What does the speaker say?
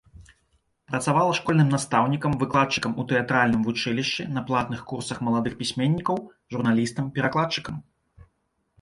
Працавала школьным настаўнікам, выкладчыкам у тэатральным вучылішчы, на платных курсах маладых пісьменнікаў, журналістам, перакладчыкам.